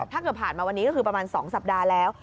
ถ้าเกิดผ่านมาวันนี้ก็คือประมาณ๒สัปดาห์แล้ว